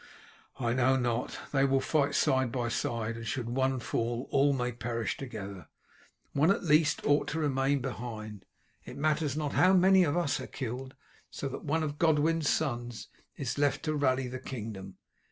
"I know not. They will fight side by side, and should one fall all may perish together. One at least ought to remain behind. It matters not how many of us are killed, so that one of Godwin's sons is left to rally the kingdom.